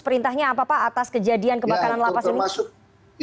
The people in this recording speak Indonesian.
perintahnya apa pak atas kejadian kebakaran lapas ini